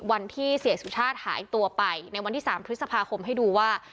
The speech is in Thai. วันที่เสียสุชาติหายตัวไปในวันที่๓พฤษภาคมให้ดูว่า